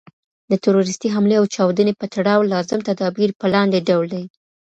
د تروریستي حملې او چاودني په تړاو لازم تدابیر په لاندي ډول دي.